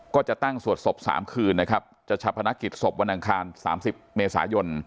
ก็จะตั้งสวดศพ๓คืนนะครับจะชาพนักกิจศพวันอังคาร๓๐เมษายน